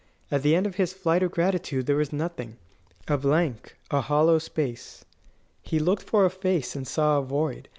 At the end of his flight of gratitude there was nothing a blank, a hollow space. He looked for a face, and saw a void.